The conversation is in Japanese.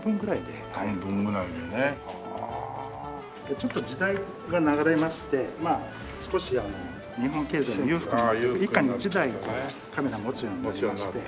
ちょっと時代が流れまして少し日本経済が裕福になって一家に一台カメラを持つようになりまして。